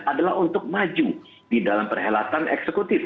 adalah untuk maju di dalam perhelatan eksekutif